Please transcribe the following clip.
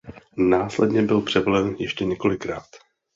Následně byl převelen ještě několikrát.